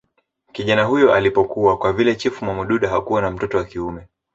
kijana huyo alipokua kwa vile chifu mwamududa hakuwa na mtoto wa kiume